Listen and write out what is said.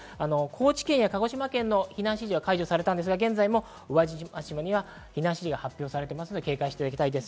高知県や鹿児島県の避難指示は解除されましたが現在も宇和島市には避難指示が発表されていますので警戒してください。